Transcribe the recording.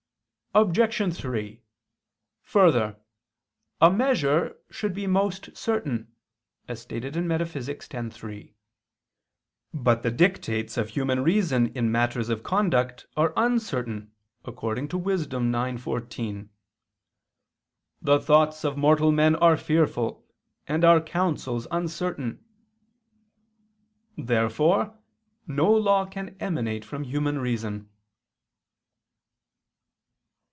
Obj. 3: Further, a measure should be most certain, as stated in Metaph. x, text. 3. But the dictates of human reason in matters of conduct are uncertain, according to Wis. 9:14: "The thoughts of mortal men are fearful, and our counsels uncertain." Therefore no law can emanate from human reason.